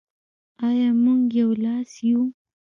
آیا موږ یو لاس یو؟